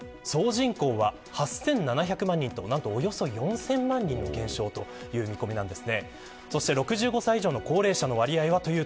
総人口は、８７００万人とおよそ４０００万人の減少ということです。